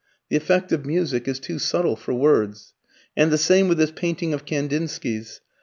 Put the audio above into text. The effect of music is too subtle for words. And the same with this painting of Kandinsky's.